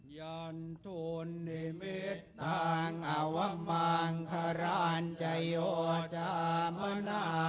ยันทุนนิมิตตังอวมังขรานใจโยจามนา